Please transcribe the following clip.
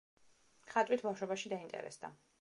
ხატვით ბავშვობაში დაინტერესდა.